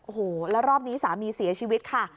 โอ้โหแล้วรอบนี้สามีเสียชีวิตค่ะ